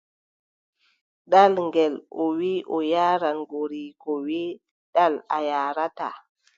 Ɗal ngel, o wii o yaaran, goriiko wii : ɗal a yaarataa.